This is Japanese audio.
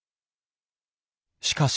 しかし。